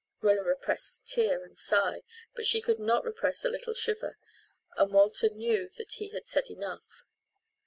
Rilla repressed tear and sigh, but she could not repress a little shiver, and Walter knew that he had said enough.